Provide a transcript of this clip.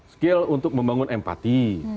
skill untuk membangun empati